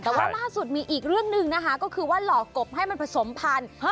แต่ว่าล่าสุดมีอีกเรื่องหนึ่งนะคะก็คือว่าหลอกกบให้มันผสมพันธุ์